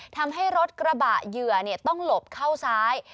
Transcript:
ทำให้รถกระบะเหยื่อต้องหลบเข้าซ้าย